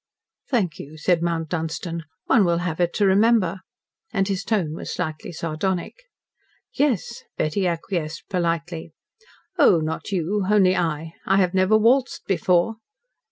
"Thank you," said Mount Dunstan. "One will have it to remember." And his tone was slightly sardonic. "Yes," Betty acquiesced politely. "Oh, not you. Only I. I have never waltzed before."